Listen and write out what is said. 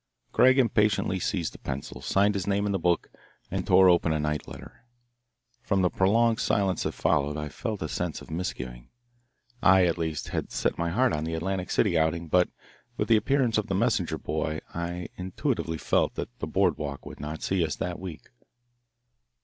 Craig impatiently seized the pencil, signed his name in the book, and tore open a night letter. From the prolonged silence that followed I felt a sense of misgiving. I, at least, had set my heart on the Atlantic City outing, but with the appearance of the messenger boy I intuitively felt that the board walk would not see us that week.